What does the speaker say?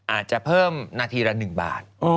อาจจะเพิ่มนาทีละ๑บาท